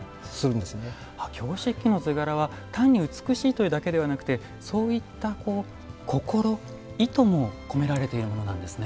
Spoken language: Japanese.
京漆器の図柄は単に美しいというだけではなくてそういった心意図も込められているものなんですね。